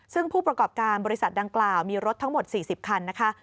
ซึ่งผู้ประกอบการบริษัทดังกล่าวมีรถทั้งหมด๔๐คันนะคะ